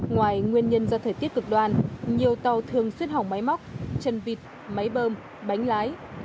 ngoài nguyên nhân do thời tiết cực đoan nhiều tàu thường xuyên hỏng máy móc chân vịt máy bơm bánh lái